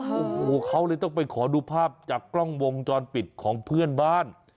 โอ้โหเขาเลยต้องไปขอดูภาพจากกล้องวงจรปิดของเพื่อนบ้าน